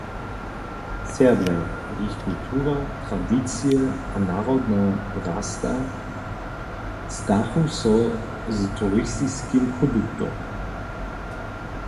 Serbja, jich kultura, tradicije a narodna drasta stachu so z turistiskim produktom.